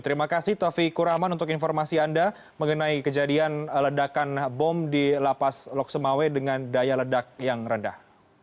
terima kasih taufik kuraman untuk informasi anda mengenai kejadian ledakan bom di lapas loksemawe dengan daya ledak yang rendah